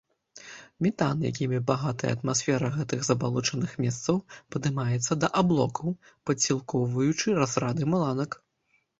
Метан, якімі багатая атмасфера гэтых забалочаных месцаў, падымаецца да аблокаў, падсілкоўваючы разрады маланак.